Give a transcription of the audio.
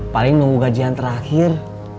paling nunggu gajian terakhir